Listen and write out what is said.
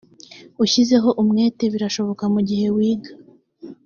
ushyizeho umwete birashoboka mu gihe wiga .